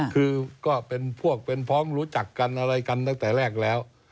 คือก็เป็นพวกเป็นพร้อมรู้จักกันอะไรกันตั้งแต่แรกแล้ว